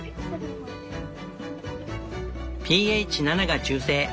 ｐＨ７が中性。